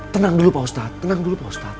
tenang dulu pak ustadz